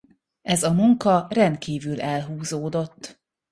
Ez a munka rendkívül elhúzódott.